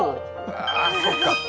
ああ、そうか。